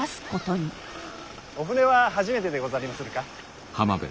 お舟は初めてでござりまするか？